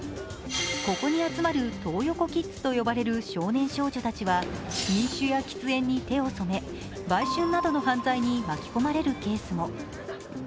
ここに集まるトー横キッズと呼ばれる少年少女たちは飲酒や喫煙に手を染め、売春などの犯罪に巻き込まれるケースも。